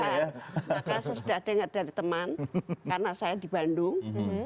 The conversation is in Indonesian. karena saya sudah dengar dari teman karena saya di bandung